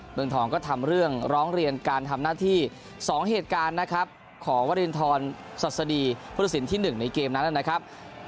เมืองทองก็ทำเรื่องร้องเรียนการทำหน้าที่๒เหตุการณ์นะครับของวรินทรศัสดีพุทธศิลปที่๑ในเกมนั้นนะครับ